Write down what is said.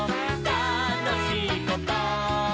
「たのしいこと？」